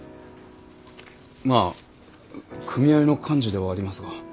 まあ組合の幹事ではありますが。